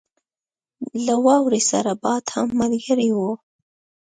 له واورې سره باد هم ملګری وو.